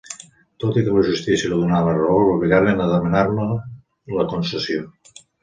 Tot i que la justícia li donà la raó, l'obligaren a demanar-ne la concessió.